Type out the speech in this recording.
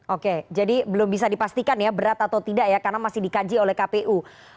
oke jadi belum bisa dipastikan ya berat atau tidak ya karena masih dikaji oleh kpu